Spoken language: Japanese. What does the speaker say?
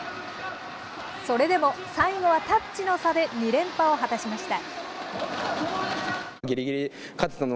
それでも最後はタッチの差で２連覇を果たしました。